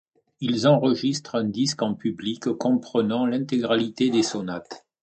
Ils enregistrent un disque en public, comprenant l’intégralité des sonates.